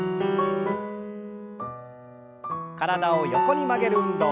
体を横に曲げる運動。